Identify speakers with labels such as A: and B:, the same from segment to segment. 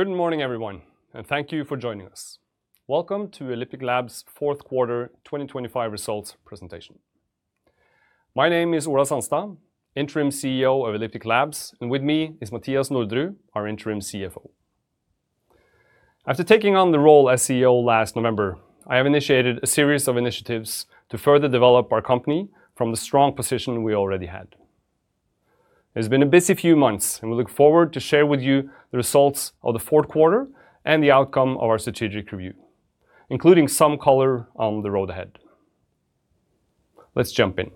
A: Good morning, everyone. Thank you for joining us. Welcome to Elliptic Labs' fourth quarter 2025 results presentation. My name is Ola Sandstad, Interim CEO of Elliptic Labs, and with me is Mathias Norderud, our Interim CFO. After taking on the role as CEO last November, I have initiated a series of initiatives to further develop our company from the strong position we already had. It's been a busy few months, and we look forward to share with you the results of the fourth quarter and the outcome of our strategic review, including some color on the road ahead. Let's jump in.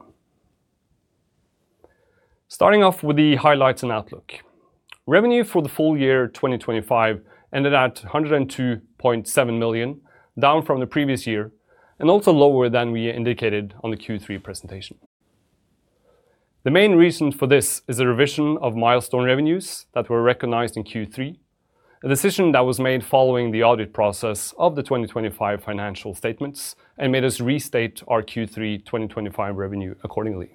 A: Starting off with the highlights and outlook. Revenue for the full year 2025 ended at $102.7 million, down from the previous year, and also lower than we indicated on the Q3 presentation. The main reason for this is a revision of milestone revenues that were recognized in Q3, a decision that was made following the audit process of the 2025 financial statements and made us restate our Q3 2025 revenue accordingly.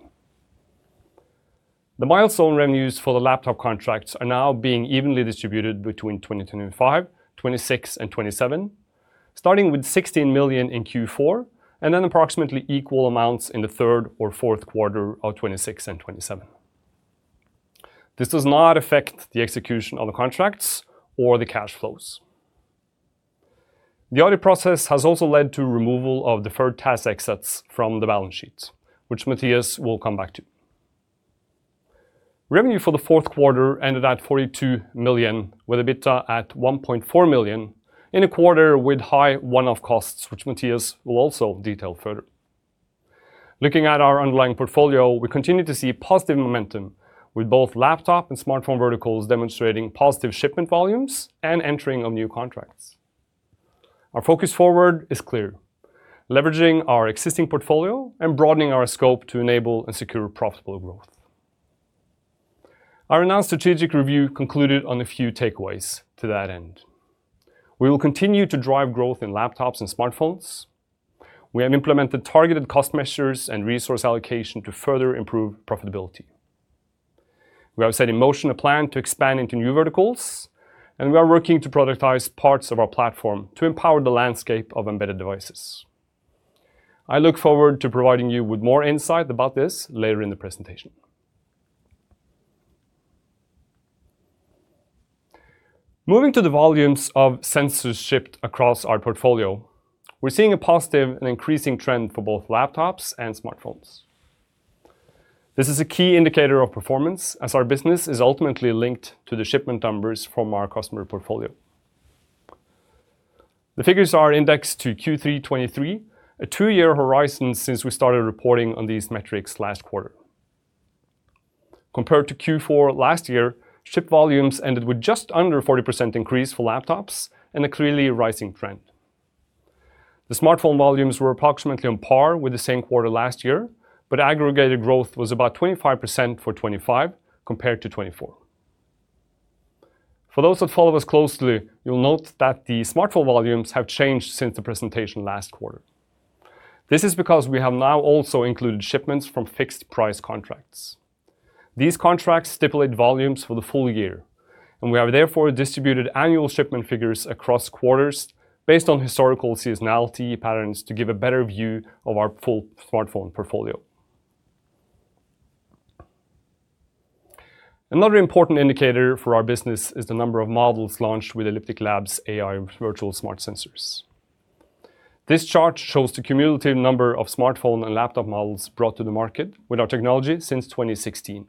A: The milestone revenues for the laptop contracts are now being evenly distributed between 2025, 2026, and 2027, starting with $16 million in Q4, and then approximately equal amounts in the third or fourth quarter of 2026 and 2027. This does not affect the execution of the contracts or the cash flows. The audit process has also led to removal of deferred tax assets from the balance sheet, which Mathias will come back to. Revenue for the fourth quarter ended at $42 million, with EBITDA at $1.4 million, in a quarter with high one-off costs, which Mathias will also detail further. Looking at our underlying portfolio, we continue to see positive momentum, with both laptop and smartphone verticals demonstrating positive shipment volumes and entering of new contracts. Our focus forward is clear: leveraging our existing portfolio and broadening our scope to enable and secure profitable growth. Our announced strategic review concluded on a few takeaways to that end. We will continue to drive growth in laptops and smartphones. We have implemented targeted cost measures and resource allocation to further improve profitability. We have set in motion a plan to expand into new verticals, and we are working to productize parts of our platform to empower the landscape of embedded devices. I look forward to providing you with more insight about this later in the presentation. Moving to the volumes of sensors shipped across our portfolio, we're seeing a positive and increasing trend for both laptops and smartphones. This is a key indicator of performance, as our business is ultimately linked to the shipment numbers from our customer portfolio. The figures are indexed to Q3 2023, a two-year horizon since we started reporting on these metrics last quarter. Compared to Q4 last year, shipped volumes ended with just under 40% increase for laptops and a clearly rising trend. The smartphone volumes were approximately on par with the same quarter last year, but aggregated growth was about 25% for 2025 compared to 2024. For those that follow us closely, you'll note that the smartphone volumes have changed since the presentation last quarter. This is because we have now also included shipments from fixed price contracts. These contracts stipulate volumes for the full year, we have therefore distributed annual shipment figures across quarters based on historical seasonality patterns to give a better view of our full smartphone portfolio. Another important indicator for our business is the number of models launched with Elliptic Labs AI Virtual Smart Sensors. This chart shows the cumulative number of smartphone and laptop models brought to the market with our technology since 2016.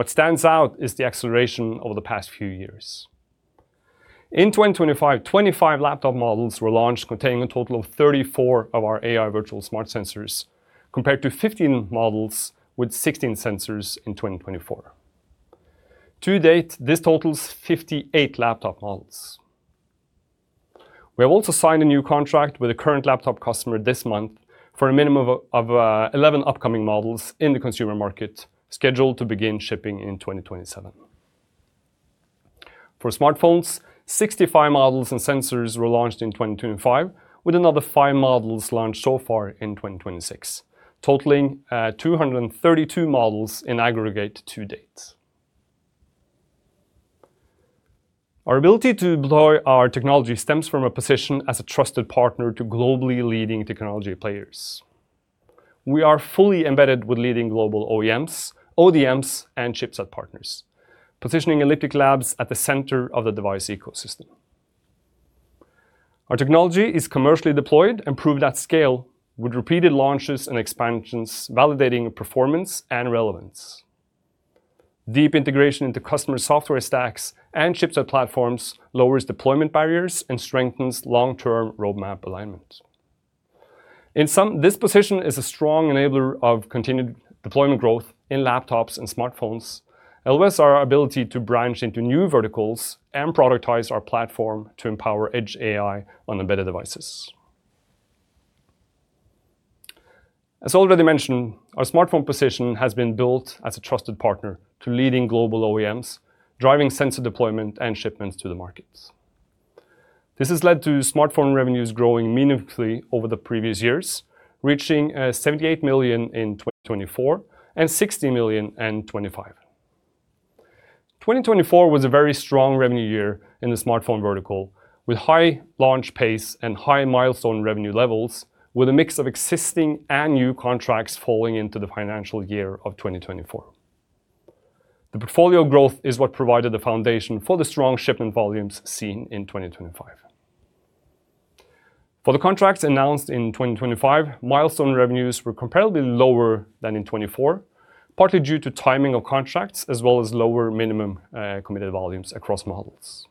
A: What stands out is the acceleration over the past few years. In 2025, 25 laptop models were launched, containing a total of 34 of our AI Virtual Smart Sensors, compared to 15 models with 16 sensors in 2024. To date, this totals 58 laptop models. We have also signed a new contract with a current laptop customer this month for a minimum of 11 upcoming models in the consumer market, scheduled to begin shipping in 2027. For smartphones, 65 models and sensors were launched in 2025, with another 5 models launched so far in 2026, totaling 232 models in aggregate to date. Our ability to deploy our technology stems from a position as a trusted partner to globally leading technology players. We are fully embedded with leading global OEMs, ODMs, and chipset partners, positioning Elliptic Labs at the center of the device ecosystem. Our technology is commercially deployed and proved at scale, with repeated launches and expansions, validating performance and relevance. Deep integration into customer software stacks and chipset platforms lowers deployment barriers and strengthens long-term roadmap alignment. In sum, this position is a strong enabler of continued deployment growth in laptops and smartphones, elevates our ability to branch into new verticals, and productize our platform to empower Edge AI on embedded devices. As already mentioned, our smartphone position has been built as a trusted partner to leading global OEMs, driving sensor deployment and shipments to the markets. This has led to smartphone revenues growing meaningfully over the previous years, reaching $78 million in 2024, and $60 million in 2025. 2024 was a very strong revenue year in the smartphone vertical, with high launch pace and high milestone revenue levels, with a mix of existing and new contracts falling into the financial year of 2024. The portfolio growth is what provided the foundation for the strong shipment volumes seen in 2025. For the contracts announced in 2025, milestone revenues were comparably lower than in 2024, partly due to timing of contracts, as well as lower minimum committed volumes across models.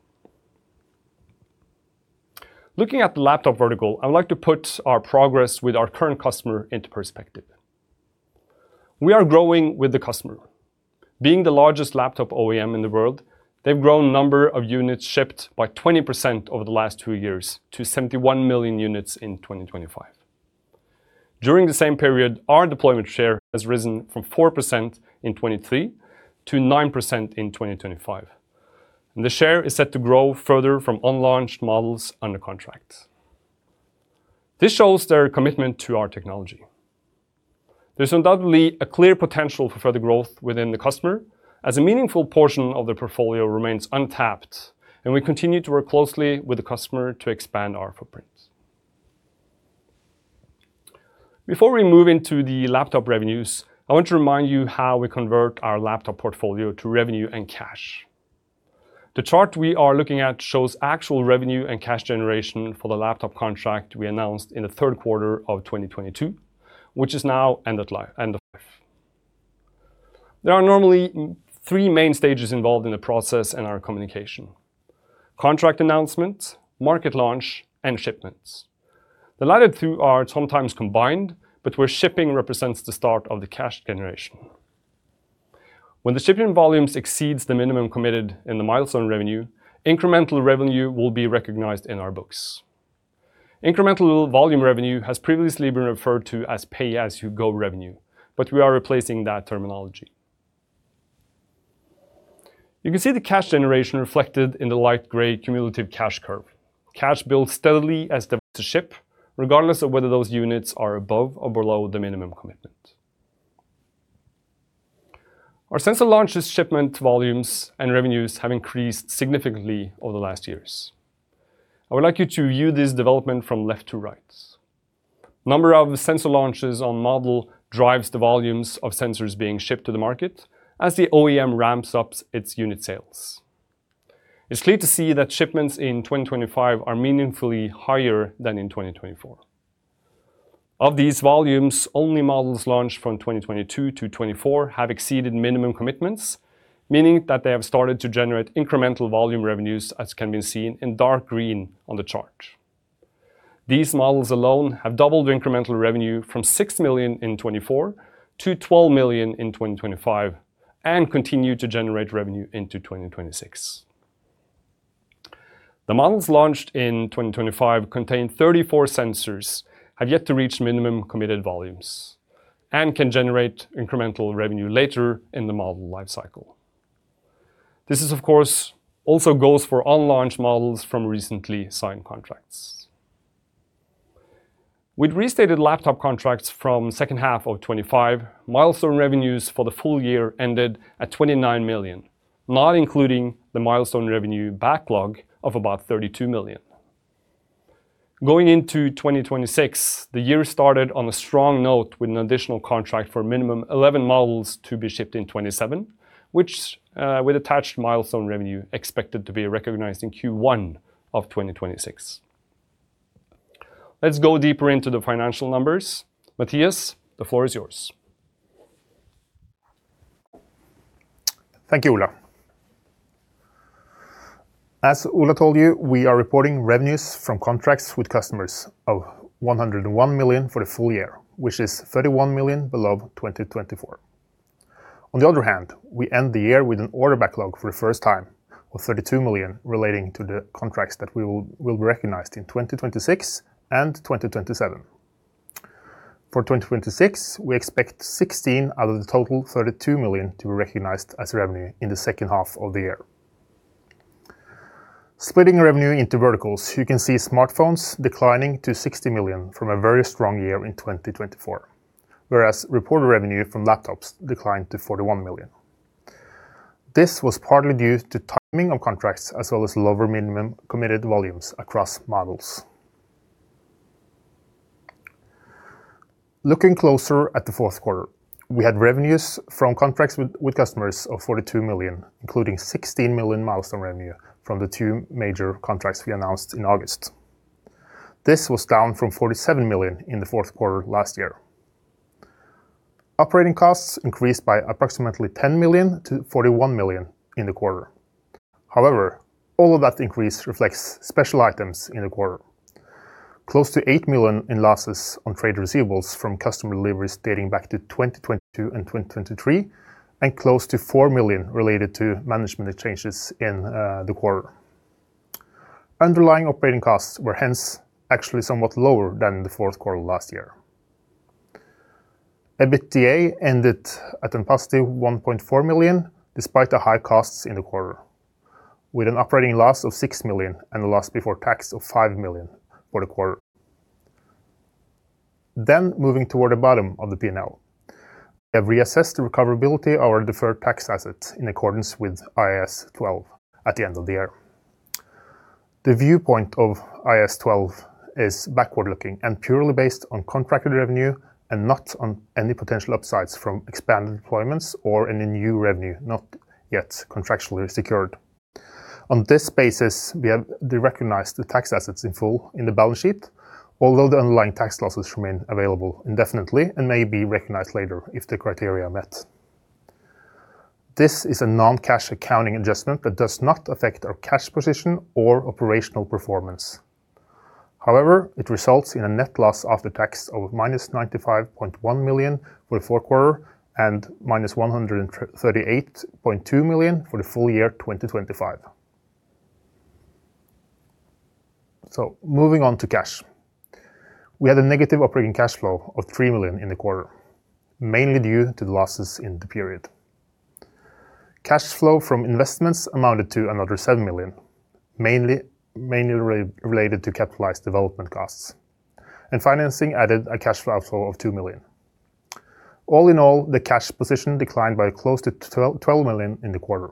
A: Looking at the laptop vertical, I would like to put our progress with our current customer into perspective. We are growing with the customer. Being the largest laptop OEM in the world, they've grown number of units shipped by 20% over the last two years to 71 million units in 2025. During the same period, our deployment share has risen from 4% in 2023 to 9% in 2025, and the share is set to grow further from unlaunched models under contract. This shows their commitment to our technology. There's undoubtedly a clear potential for further growth within the customer, as a meaningful portion of the portfolio remains untapped, and we continue to work closely with the customer to expand our footprint. Before we move into the laptop revenues, I want to remind you how we convert our laptop portfolio to revenue and cash. The chart we are looking at shows actual revenue and cash generation for the laptop contract we announced in the third quarter of 2022, which is now end of life. There are normally three main stages involved in the process and our communication: contract announcement, market launch, and shipments. The latter two are sometimes combined, but where shipping represents the start of the cash generation. When the shipping volumes exceeds the minimum committed in the milestone revenue, incremental revenue will be recognized in our books. Incremental volume revenue has previously been referred to as pay-as-you-go revenue, but we are replacing that terminology. You can see the cash generation reflected in the light gray cumulative cash curve. Cash builds steadily as devices ship, regardless of whether those units are above or below the minimum commitment. Our sensor launches, shipment volumes, and revenues have increased significantly over the last years. I would like you to view this development from left to right. Number of sensor launches on model drives the volumes of sensors being shipped to the market as the OEM ramps up its unit sales. It's clear to see that shipments in 2025 are meaningfully higher than in 2024. Of these volumes, only models launched from 2022 to 2024 have exceeded minimum commitments, meaning that they have started to generate incremental volume revenues, as can be seen in dark green on the chart. These models alone have doubled the incremental revenue from $6 million in 2024 to $12 million in 2025, and continue to generate revenue into 2026. The models launched in 2025 contain 34 sensors, have yet to reach minimum committed volumes, and can generate incremental revenue later in the model life cycle. This is, of course, also goes for unlaunched models from recently signed contracts. With restated laptop contracts from second half of 2025, milestone revenues for the full year ended at $29 million, not including the milestone revenue backlog of about $32 million. Going into 2026, the year started on a strong note with an additional contract for minimum 11 models to be shipped in 2027, which, with attached milestone revenue, expected to be recognized in Q1 of 2026. Let's go deeper into the financial numbers. Mathias, the floor is yours.
B: Thank you, Ola. As Ola told you, we are reporting revenues from contracts with customers of $101 million for the full year, which is $31 million below 2024. On the other hand, we end the year with an order backlog for the first time of $32 million relating to the contracts that we will be recognized in 2026 and 2027. For 2026, we expect 16 out of the total $32 million to be recognized as revenue in the second half of the year. Splitting revenue into verticals, you can see smartphones declining to $60 million from a very strong year in 2024, whereas reported revenue from laptops declined to $41 million. This was partly due to timing of contracts, as well as lower minimum committed volumes across models. Looking closer at the fourth quarter, we had revenues from contracts with customers of $42 million, including $16 million milestone revenue from the two major contracts we announced in August. This was down from $47 million in the fourth quarter last year. Operating costs increased by approximately $10 million to $41 million in the quarter. All of that increase reflects special items in the quarter. Close to $8 million in losses on trade receivables from customer deliveries dating back to 2022 and 2023, and close to $4 million related to management changes in the quarter. Underlying operating costs were hence actually somewhat lower than the fourth quarter last year. EBITDA ended at a positive $1.4 million, despite the high costs in the quarter, with an operating loss of $6 million and a loss before tax of $5 million for the quarter. Moving toward the bottom of the P&L. We have reassessed the recoverability of our deferred tax assets in accordance with IAS 12 at the end of the year. The viewpoint of IAS 12 is backward-looking and purely based on contracted revenue and not on any potential upsides from expanded deployments or any new revenue not yet contractually secured. On this basis, we have derecognized the tax assets in full in the balance sheet, although the underlying tax losses remain available indefinitely and may be recognized later if the criteria are met. This is a non-cash accounting adjustment that does not affect our cash position or operational performance. It results in a net loss after tax of -$95.1 million for the fourth quarter and -$138.2 million for the full year 2025. Moving on to cash. We had a negative operating cash flow of 3 million in the quarter, mainly due to the losses in the period. Cash flow from investments amounted to another 7 million, mainly related to capitalized development costs. Financing added a cash outflow of 2 million. All in all, the cash position declined by close to 12 million in the quarter.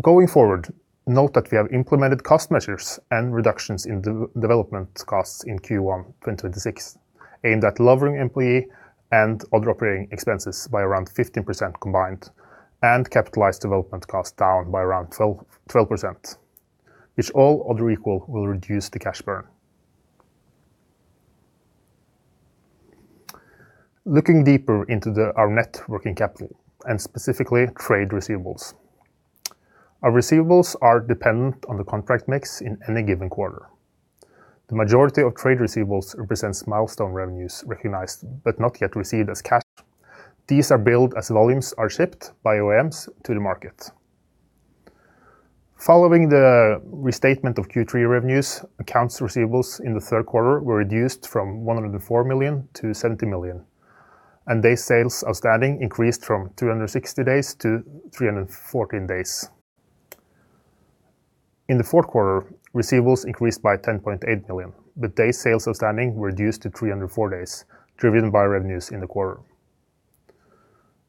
B: Going forward, note that we have implemented cost measures and reductions in development costs in Q1 2026, aimed at lowering employee and other operating expenses by around 15% combined. Capitalized development costs down by around 12%, which all other equal, will reduce the cash burn. Looking deeper into our net working capital, specifically trade receivables. Our receivables are dependent on the contract mix in any given quarter. The majority of trade receivables represents milestone revenues recognized but not yet received as cash. These are billed as volumes are shipped by OEMs to the market. Following the restatement of Q3 revenues, accounts receivables in the third quarter were reduced from $104 million to $70 million, and days sales outstanding increased from 260 days to 314 days. In the fourth quarter, receivables increased by $10.8 million, with days sales outstanding reduced to 304 days, driven by revenues in the quarter.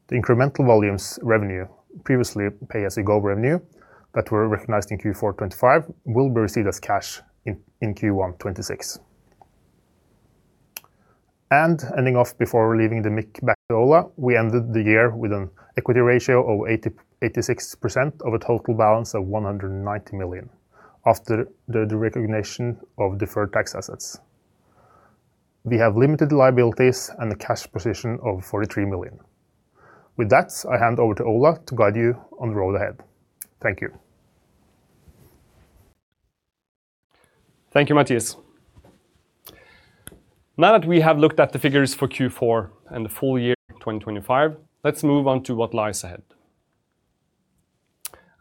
B: The incremental volumes revenue, previously pay-as-you-go revenue, that were recognized in Q4 2025 will be received as cash in Q1 2026. Ending off before leaving the mic back to Ola, we ended the year with an equity ratio of 86% of a total balance of 190 million, after the derecognition of deferred tax assets. We have limited liabilities and a cash position of 43 million. With that, I hand over to Ola to guide you on the road ahead. Thank you.
A: Thank you, Mathias. Now that we have looked at the figures for Q4 and the full year 2025, let's move on to what lies ahead.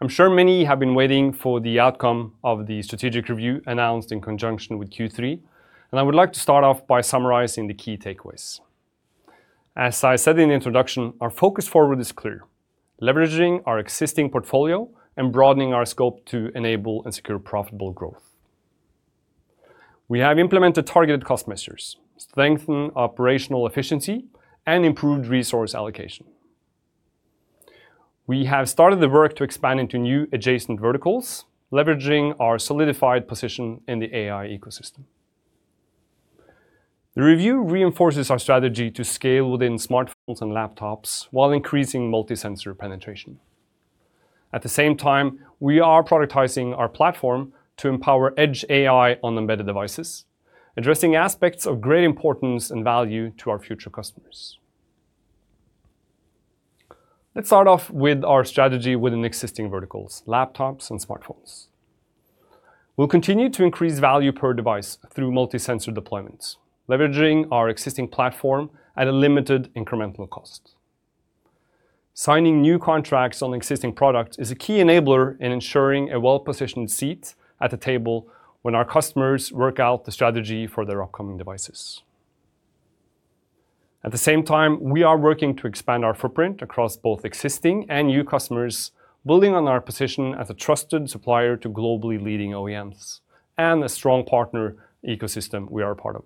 A: I'm sure many have been waiting for the outcome of the strategic review announced in conjunction with Q3, and I would like to start off by summarizing the key takeaways. As I said in the introduction, our focus forward is clear: leveraging our existing portfolio and broadening our scope to enable and secure profitable growth. We have implemented targeted cost measures, strengthened operational efficiency, and improved resource allocation. We have started the work to expand into new adjacent verticals, leveraging our solidified position in the AI ecosystem. The review reinforces our strategy to scale within smartphones and laptops while increasing multi-sensor penetration. At the same time, we are prioritizing our platform to empower Edge AI on embedded devices, addressing aspects of great importance and value to our future customers. Let's start off with our strategy within existing verticals, laptops and smartphones. We'll continue to increase value per device through multi-sensor deployments, leveraging our existing platform at a limited incremental cost. Signing new contracts on existing products is a key enabler in ensuring a well-positioned seat at the table when our customers work out the strategy for their upcoming devices. At the same time, we are working to expand our footprint across both existing and new customers, building on our position as a trusted supplier to globally leading OEMs and a strong partner ecosystem we are a part of.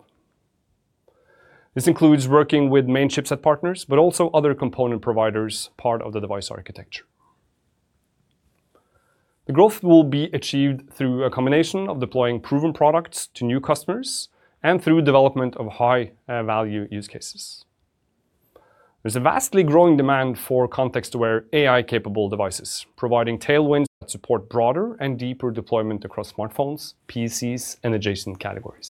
A: This includes working with main chipset partners, but also other component providers, part of the device architecture. The growth will be achieved through a combination of deploying proven products to new customers and through development of high-value use cases. There's a vastly growing demand for context-aware AI-capable devices, providing tailwinds that support broader and deeper deployment across smartphones, PCs, and adjacent categories.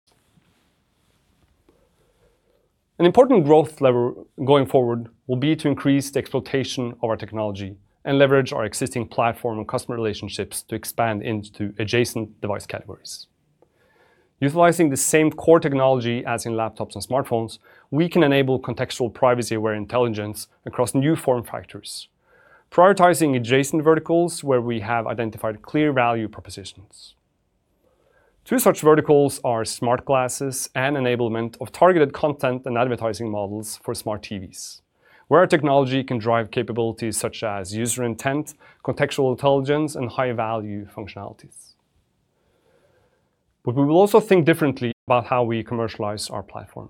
A: An important growth lever going forward will be to increase the exploitation of our technology and leverage our existing platform and customer relationships to expand into adjacent device categories. Utilizing the same core technology as in laptops and smartphones, we can enable contextual, privacy-aware intelligence across new form factors, prioritizing adjacent verticals where we have identified clear value propositions. Two such verticals are smart glasses and enablement of targeted content and advertising models for smart TVs, where our technology can drive capabilities such as user intent, contextual intelligence, and high-value functionalities. We will also think differently about how we commercialize our platform.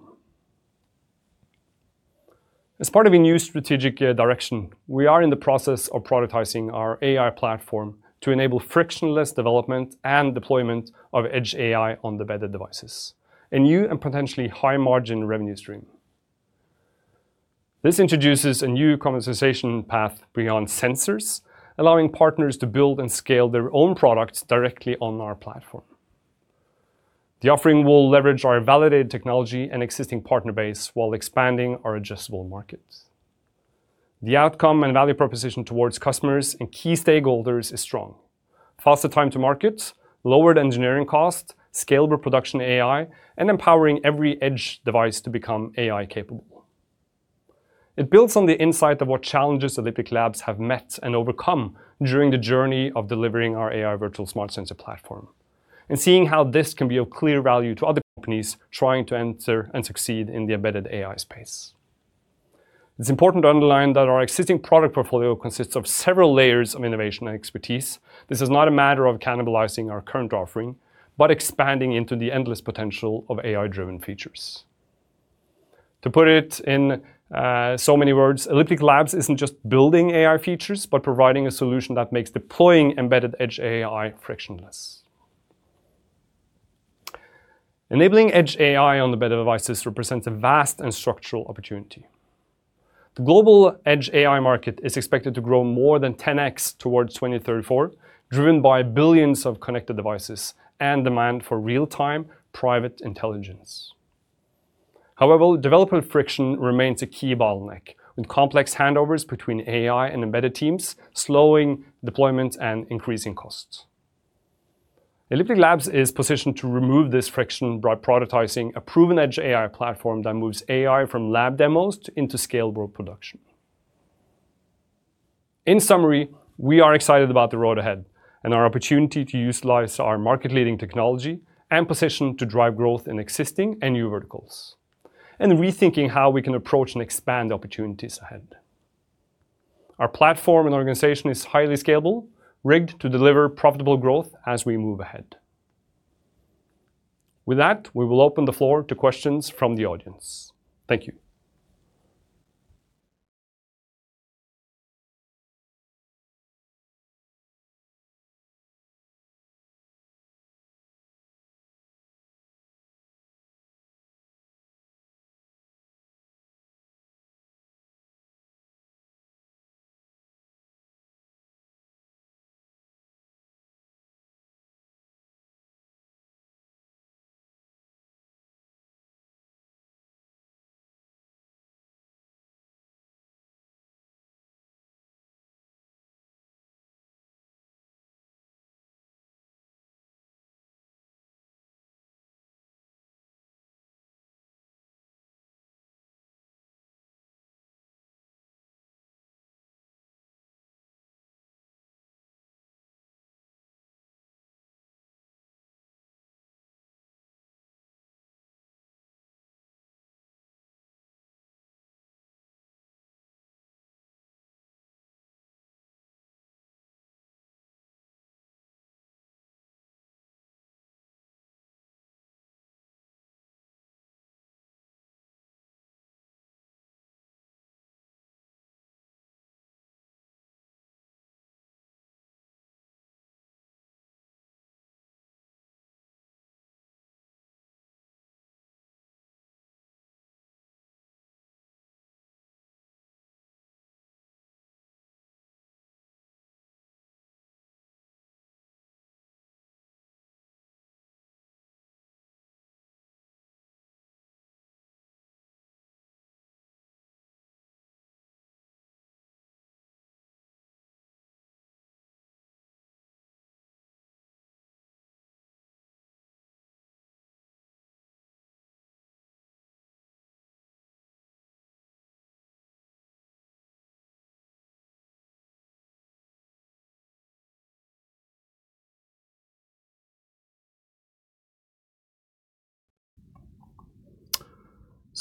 A: As part of a new strategic direction, we are in the process of productizing our AI platform to enable frictionless development and deployment of Edge AI on the embedded devices, a new and potentially high-margin revenue stream. This introduces a new conversation path beyond sensors, allowing partners to build and scale their own products directly on our platform. The offering will leverage our validated technology and existing partner base while expanding our addressable markets. The outcome and value proposition towards customers and key stakeholders is strong: faster time to market, lowered engineering cost, scalable production AI, and empowering every edge device to become AI-capable. It builds on the insight of what challenges Elliptic Labs have met and overcome during the journey of delivering our AI Virtual Smart Sensor platform, and seeing how this can be of clear value to other companies trying to enter and succeed in the embedded AI space. It's important to underline that our existing product portfolio consists of several layers of innovation and expertise. This is not a matter of cannibalizing our current offering, but expanding into the endless potential of AI-driven features. To put it in so many words, Elliptic Labs isn't just building AI features, but providing a solution that makes deploying embedded Edge AI frictionless. Enabling Edge AI on embedded devices represents a vast and structural opportunity. The global Edge AI market is expected to grow more than 10x towards 2034, driven by billions of connected devices and demand for real-time private intelligence. However, development friction remains a key bottleneck, with complex handovers between AI and embedded teams, slowing deployment and increasing costs. Elliptic Labs is positioned to remove this friction by productizing a proven Edge AI platform that moves AI from lab demos into scalable production. In summary, we are excited about the road ahead and our opportunity to utilize our market-leading technology and position to drive growth in existing and new verticals, and rethinking how we can approach and expand opportunities ahead. Our platform and organization is highly scalable, rigged to deliver profitable growth as we move ahead. With that, we will open the floor to questions from the audience. Thank you.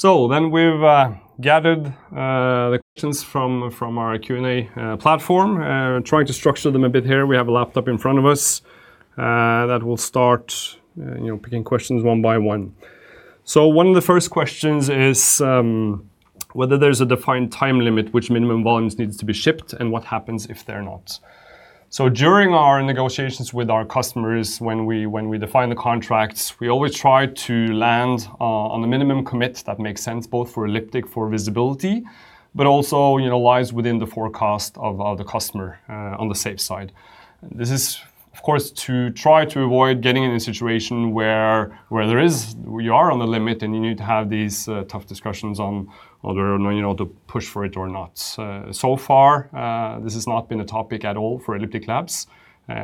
C: We've gathered the questions from our Q&A platform, trying to structure them a bit here. We have a laptop in front of us that will start, you know, picking questions one by one. One of the first questions is whether there's a defined time limit, which minimum volumes needs to be shipped, and what happens if they're not?
A: During our negotiations with our customers, when we define the contracts, we always try to land on the minimum commit that makes sense, both for Elliptic, for visibility, but also, you know, lies within the forecast of the customer on the safe side. This is, of course, to try to avoid getting in a situation where you are on the limit, and you need to have these tough discussions on whether or not, you know, to push for it or not. So far, this has not been a topic at all for Elliptic Labs,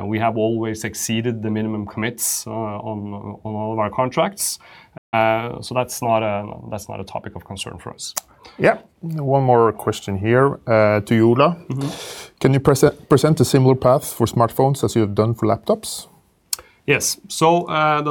A: we have always exceeded the minimum commits on all of our contracts. That's not a topic of concern for us.
C: Yeah. One more question here, to Ola. Can you present a similar path for smartphones as you have done for laptops?
A: Yes. The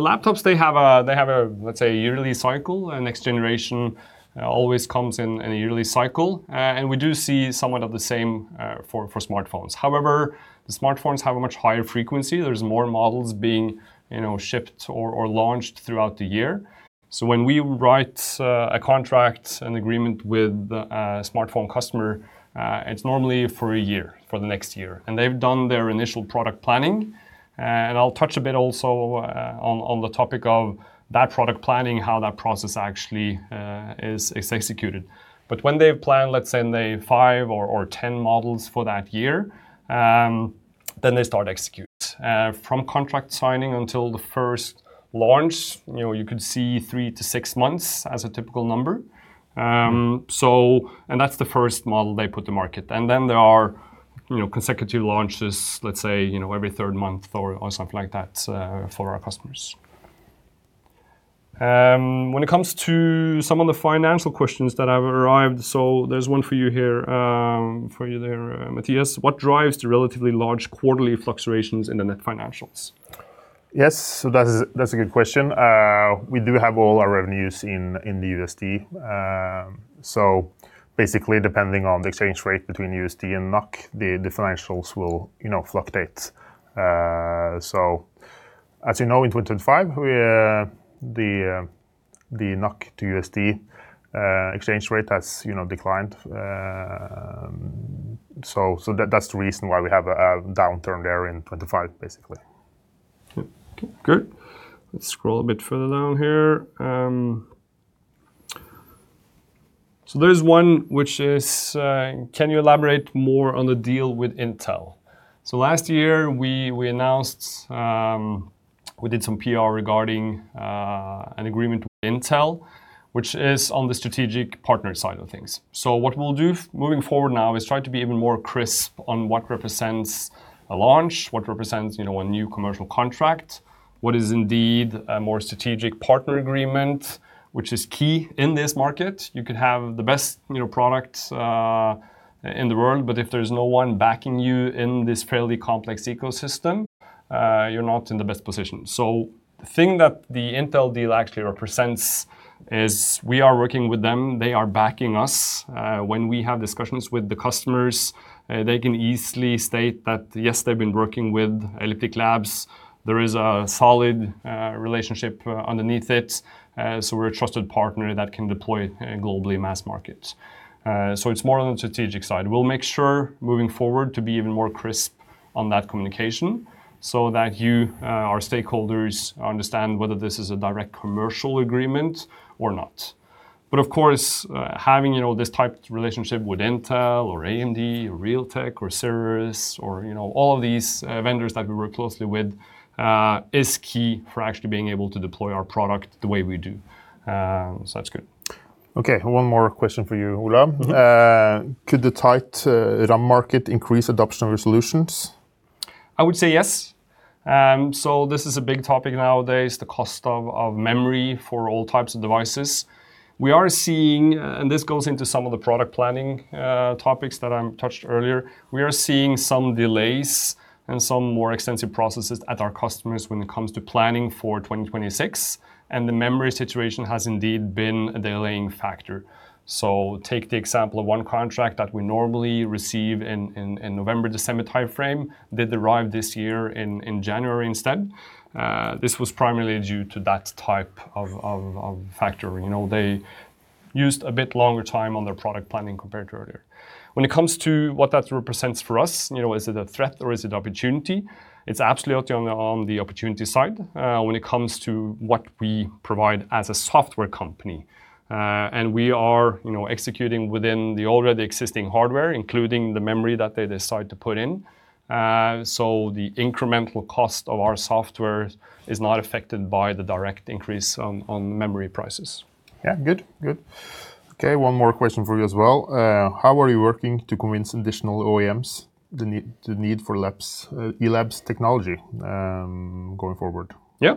A: laptops, they have a, let's say, yearly cycle, and next generation always comes in a yearly cycle. We do see somewhat of the same for smartphones. However, the smartphones have a much higher frequency. There's more models being, you know, shipped or launched throughout the year. When we write a contract, an agreement with a smartphone customer, it's normally for a year, for the next year, and they've done their initial product planning. I'll touch a bit also on the topic of that product planning, how that process actually is executed. When they plan, let's say, in the five or 10 models for that year, then they start to execute. From contract signing until the first launch, you know, you could see three to six months as a typical number. That's the first model they put to market. Then there are, you know, consecutive launches, let's say, you know, every third month or something like that, for our customers.
C: When it comes to some of the financial questions that have arrived, there's one for you here, for you there, Mathias: "What drives the relatively large quarterly fluctuations in the net financials?
B: Yes, that's a good question. We do have all our revenues in the USD. Basically, depending on the exchange rate between USD and NOK, the financials will, you know, fluctuate. As you know, in 2025, the NOK to USD exchange rate has, you know, declined. That's the reason why we have a downturn there in 2025, basically.
C: Okay, good. Let's scroll a bit further down here. There's one which is: "Can you elaborate more on the deal with Intel?"
A: Last year, we announced we did some PR regarding an agreement with Intel, which is on the strategic partner side of things. What we'll do moving forward now is try to be even more crisp on what represents a launch, what represents, you know, a new commercial contract, what is indeed a more strategic partner agreement, which is key in this market. You could have the best, you know, products in the world, but if there's no one backing you in this fairly complex ecosystem, you're not in the best position. The thing that the Intel deal actually represents is we are working with them, they are backing us. When we have discussions with the customers, they can easily state that, yes, they've been working with Elliptic Labs. There is a solid relationship underneath it, we're a trusted partner that can deploy globally mass markets. It's more on the strategic side. We'll make sure moving forward to be even more crisp on that communication so that you, our stakeholders, understand whether this is a direct commercial agreement or not. Of course, having, you know, this type of relationship with Intel or AMD or Realtek or Cirrus Logic or, you know, all of these vendors that we work closely with, is key for actually being able to deploy our product the way we do. That's good.
C: Okay, one more question for you, Ola. Could the tight RAM market increase adoption of your solutions?
A: I would say yes. This is a big topic nowadays, the cost of memory for all types of devices. We are seeing. This goes into some of the product planning topics that I touched earlier. We are seeing some delays and some more extensive processes at our customers when it comes to planning for 2026, and the memory situation has indeed been a delaying factor. Take the example of one contract that we normally receive in November, December timeframe, that arrived this year in January instead. This was primarily due to that type of factor. You know, they used a bit longer time on their product planning compared to earlier. When it comes to what that represents for us, you know, is it a threat or is it an opportunity? It's absolutely on the opportunity side, when it comes to what we provide as a software company. We are, you know, executing within the already existing hardware, including the memory that they decide to put in. The incremental cost of our software is not affected by the direct increase on memory prices.
C: Okay, one more question for you as well. How are you working to convince additional OEMs the need for Elliptic Labs’ ELABS technology going forward?
A: Yeah.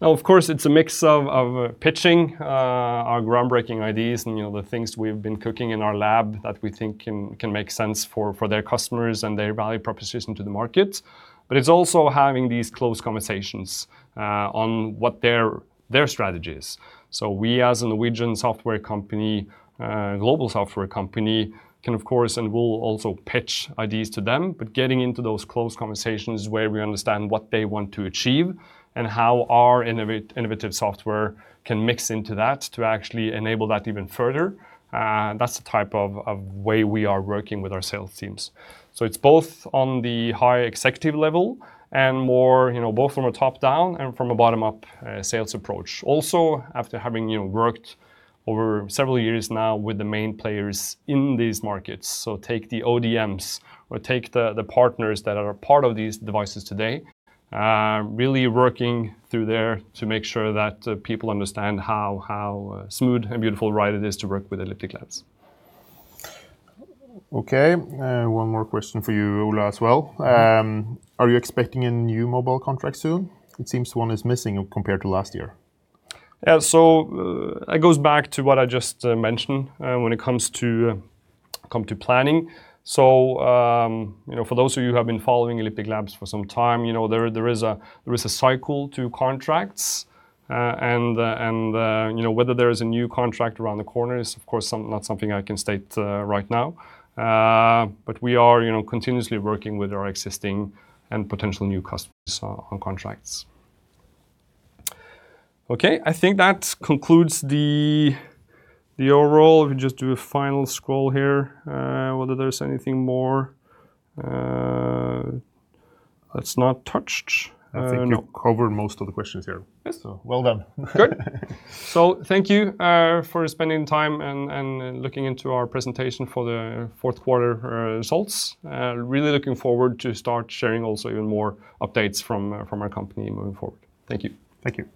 A: Now, of course, it's a mix of pitching, our groundbreaking ideas and, you know, the things we've been cooking in our lab that we think can make sense for their customers and their value proposition to the market. It's also having these close conversations on what their strategy is. We, as a Norwegian software company, global software company, can, of course, and will also pitch ideas to them, but getting into those close conversations where we understand what they want to achieve and how our innovative software can mix into that to actually enable that even further, that's the type of way we are working with our sales teams. It's both on the high executive level and more, you know, both from a top-down and from a bottom-up sales approach. After having, you know, worked over several years now with the main players in these markets, so take the ODMs or take the partners that are part of these devices today, really working through there to make sure that people understand how smooth and beautiful ride it is to work with Elliptic Labs.
C: Okay, one more question for you, Ola, as well. Are you expecting a new mobile contract soon? It seems one is missing compared to last year.
A: Yeah, it goes back to what I just mentioned, when it come to planning. You know, for those of you who have been following Elliptic Labs for some time, you know, there is a cycle to contracts, and, you know, whether there is a new contract around the corner is, of course, not something I can state right now. We are, you know, continuously working with our existing and potential new customers on contracts.
C: Okay, I think that concludes the overall. Let me just do a final scroll here, whether there's anything more that's not touched.
B: No. I think you covered most of the questions here.
A: Yes.
B: Well done.
A: Good. Thank you for spending time and looking into our presentation for the fourth quarter results. Really looking forward to start sharing also even more updates from our company moving forward. Thank you.
B: Thank you.